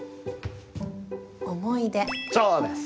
そうです！